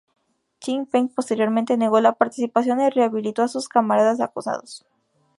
Chin Peng posteriormente negó la participación y rehabilitó a sus camaradas acusados.